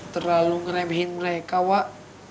terlalu ngeremehin mereka wak